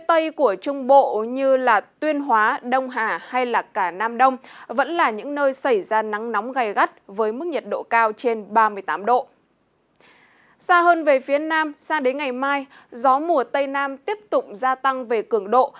trên nam sang đến ngày mai gió mùa tây nam tiếp tục gia tăng về cường độ